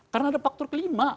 karena ada faktor kelima